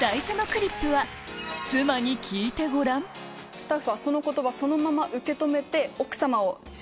スタッフはその言葉そのまま受け止めて。